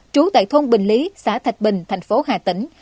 trú tại thôn bình lý xã thạch bình thành phố hà tĩnh